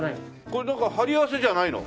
これ貼り合わせじゃないの？